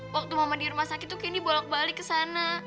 waktu mama di rumah sakit tuh candy bolak balik kesana